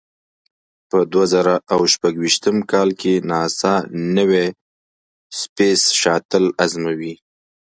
په دوه زره او شپږ ویشتم کال کې ناسا نوې سپېس شاتل ازموي.